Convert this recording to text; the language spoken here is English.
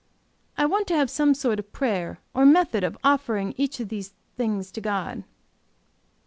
I want to have some sort of prayer, or method of offering each of these things to God.